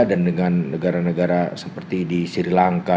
dan dengan negara negara seperti di sri lanka